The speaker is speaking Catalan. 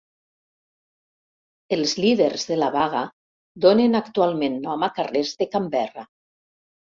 Els líders de la vaga donen actualment nom a carrers de Canberra.